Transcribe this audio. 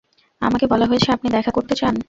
আমাকে বলা হয়েছে আপনি দেখা করতে চান।